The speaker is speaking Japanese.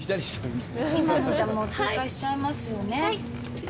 今のじゃもう通過しちゃいまはい。